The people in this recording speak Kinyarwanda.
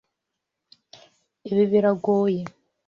Ibi biragoye.